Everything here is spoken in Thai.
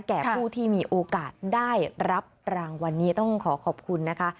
แก่ผู้ที่มีโอกาสได้รับรางวัลนี้ต้องขอขอบคุณนะคะ